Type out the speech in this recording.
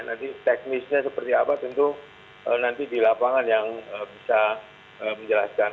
nanti teknisnya seperti apa tentu nanti di lapangan yang bisa menjelaskan